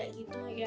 ya kadang dia nurut